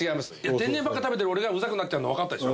天然ばっか食べてる俺がうるさくなっちゃうの分かったでしょ？